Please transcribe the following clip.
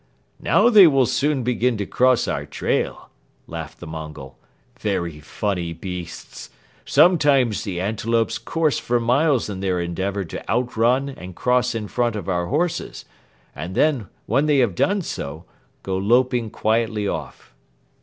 "Now they will soon begin to cross our trail," laughed the Mongol; "very funny beasts. Sometimes the antelopes course for miles in their endeavor to outrun and cross in front of our horses and then, when they have done so, go loping quietly off."